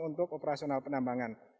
untuk operasional penambangan